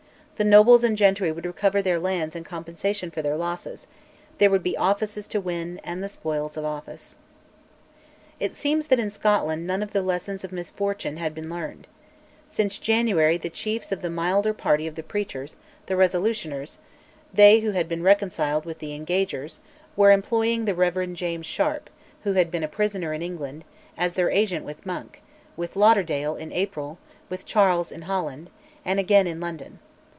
The nobles and gentry would recover their lands and compensation for their losses; there would be offices to win, and "the spoils of office." It seems that in Scotland none of the lessons of misfortune had been learned. Since January the chiefs of the milder party of preachers, the Resolutioners, they who had been reconciled with the Engagers, were employing the Rev. James Sharp, who had been a prisoner in England, as their agent with Monk, with Lauderdale, in April, with Charles in Holland, and, again, in London.